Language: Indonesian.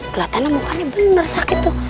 kelihatannya mukanya bener sakit tuh